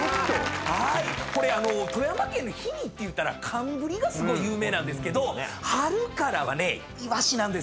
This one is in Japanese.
富山県の氷見というたら寒ブリがすごい有名ですけど春からはねイワシなんですよ。